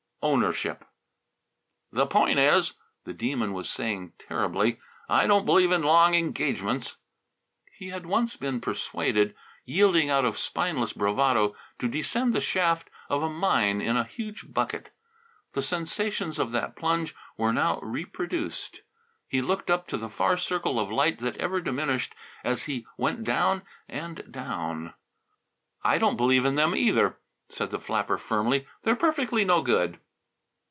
Ownership! " the point is," the Demon was saying terribly, "I don't believe in long engagements." He had once been persuaded, yielding out of spineless bravado, to descend the shaft of a mine in a huge bucket. The sensations of that plunge were now reproduced. He looked up to the far circle of light that ever diminished as he went down and down. "I don't believe in them either," said the flapper firmly. "They're perfectly no good."